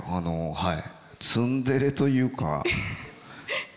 はい。